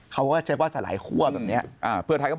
เขาเจ็บว่าสลายขั้วแบบนี้